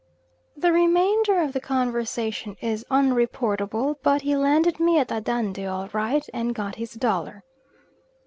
The remainder of the conversation is unreportable, but he landed me at Andande all right, and got his dollar.